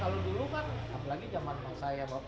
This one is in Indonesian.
kalau dulu kan apalagi zaman saya bapak